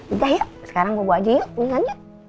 udah ya sekarang bobo aja yuk minggu lanjut